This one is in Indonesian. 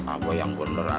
apa yang benar